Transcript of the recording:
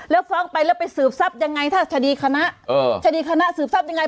แล้วฟ้องไปแล้วไปสืบทรัพย์ยังไงถ้าคดีคณะคดีคณะสืบทรัพยังไง